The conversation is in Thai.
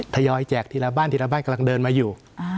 ทยอยแจกทีละบ้านทีละบ้านกำลังเดินมาอยู่